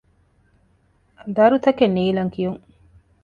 ދަރުތަކެއް ނީލަން ކިޔުން